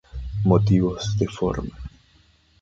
Motivos de forma.